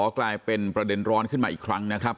กลายเป็นประเด็นร้อนขึ้นมาอีกครั้งนะครับ